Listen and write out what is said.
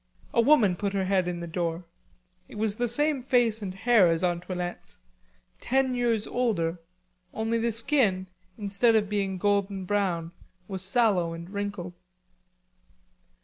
A woman put her head in the door. It was the same face and hair as Antoinette's, ten years older, only the skin, instead of being golden brown, was sallow and wrinkled.